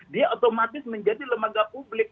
dia otomatis menjadi lembaga publik